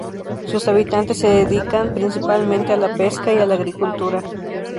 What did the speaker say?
Sus habitantes se dedican principalmente a la pesca y a la agricultura.